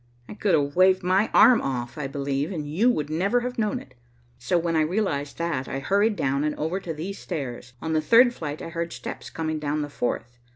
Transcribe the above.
I could have waved my arm off, I believe, and you would never have known it, so when I realized that, I hurried down and over to these stairs. On the third flight, I heard steps coming down the fourth.